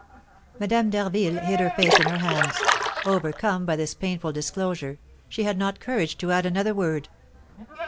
Madame d'Harville hid her face in her hands; overcome by this painful disclosure, she had not courage to add another word.